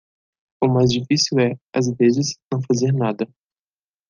O mais difícil é, às vezes, não fazer nada.